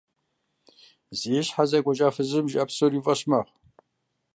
Зи щхьэ зэкӀуэкӀа фызыжьым жиӀэ псори уи фӀэщ мэхъу.